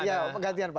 ya pengertian pak